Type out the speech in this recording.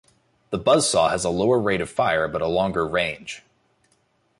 The Buzzsaw has a lower rate of fire but a longer range.